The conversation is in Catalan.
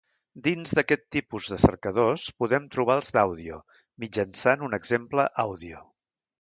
Dins d'aquest tipus de cercadors podem trobar els d'àudio mitjançant un exemple àudio.